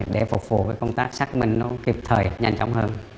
để phục vụ công tác xác minh nó kịp thời nhanh chóng hơn